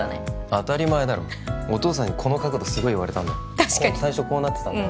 当たり前だろお義父さんにこの角度すごい言われたんだよ最初こうなってたんだよ